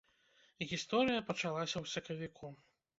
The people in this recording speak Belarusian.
Гісторыя пачалася ў сакавіку.